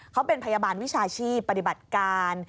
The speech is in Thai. เขาเป็นพยาบาลวิชาชีพปฏิบัติการ